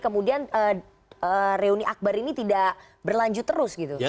kemudian reuni akbar ini tidak berlanjut terus gitu